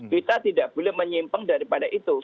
kita tidak boleh menyimpang daripada itu